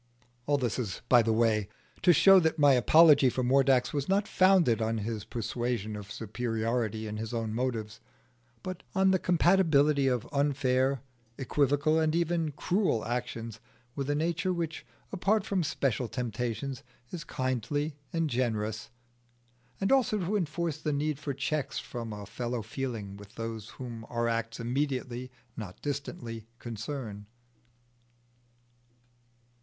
All this is by the way, to show that my apology for Mordax was not founded on his persuasion of superiority in his own motives, but on the compatibility of unfair, equivocal, and even cruel actions with a nature which, apart from special temptations, is kindly and generous; and also to enforce the need of checks from a fellow feeling with those whom our acts immediately (not distantly) concern.